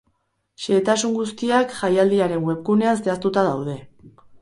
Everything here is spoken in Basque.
Xehetasun guztiak jaialdiaren webgunean zehaztuta daude.